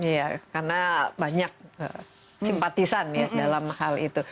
ya karena banyak simpatisan dalam hal itu